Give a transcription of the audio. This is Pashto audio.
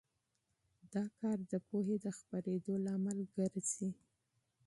دا کار د پوهې د خپرېدو لامل ګرځي.